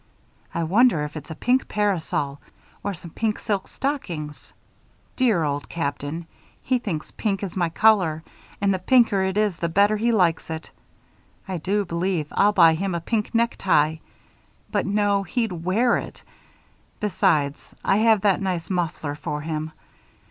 I wonder if it's a pink parasol, or some pink silk stockings. Dear Old Captain! He thinks pink is my color, and the pinker it is the better he likes it. I do believe I'll buy him a pink necktie. But no, he'd wear it. Besides, I have that nice muffler for him.